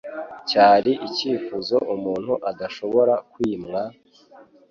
Cyari icyifuzo umuntu adashobora kwimwa,